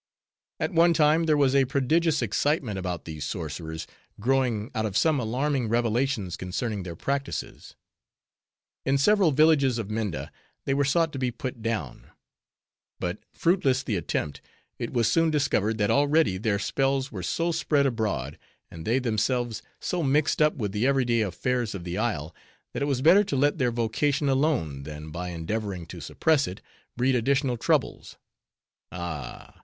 At one time, there was a prodigious excitement about these sorcerers, growing out of some alarming revelations concerning their practices. In several villages of Minda, they were sought to be put down. But fruitless the attempt; it was soon discovered that already their spells were so spread abroad, and they themselves so mixed up with the everyday affairs of the isle, that it was better to let their vocation alone, than, by endeavoring to suppress it, breed additional troubles. Ah!